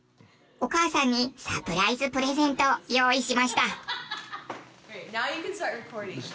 お母さんにサプライズプレゼントを用意しました。